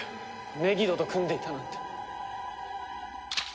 メギドと組んでいたなんて。